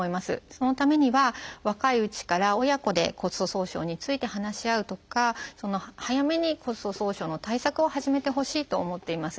そのためには若いうちから親子で骨粗しょう症について話し合うとか早めに骨粗しょう症の対策を始めてほしいと思っています。